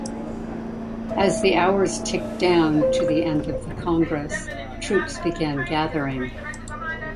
As the hours ticked down to the end of the Congress, troops began gathering.